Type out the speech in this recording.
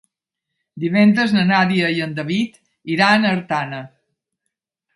Divendres na Nàdia i en David iran a Artana.